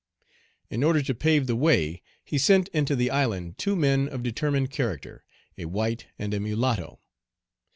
In order to pave the way, he sent into the island two men of determined character, a white and a mulatto.